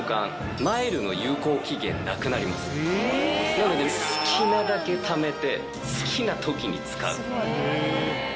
なので好きなだけためて好きな時に使う。